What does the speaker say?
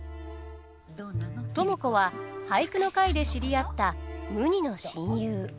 知子は俳句の会で知り合った無二の親友。